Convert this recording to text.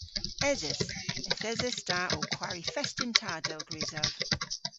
Eses. Yth eses ta ow kwari fest yn ta, dell grysav.